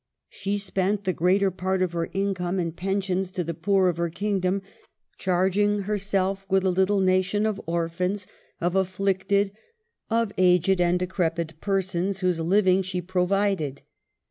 She spent the greater part of her income in pensions to the poor of her kingdom, charging herself with a little nation of orphans, of afflicted, of aged and decrepit per sons, whose living she provided.